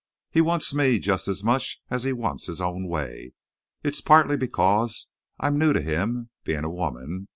He wants me just as much as he wants his own way. It's partly because I'm new to him, being a woman.